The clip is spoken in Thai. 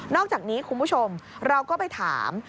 อกจากนี้คุณผู้ชมเราก็ไปถาม